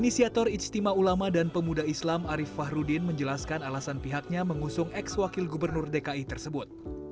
inisiator ijtima ulama dan pemuda islam arief fahrudin menjelaskan alasan pihaknya mengusung ex wakil gubernur dki tersebut